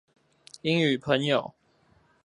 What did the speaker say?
英語朋友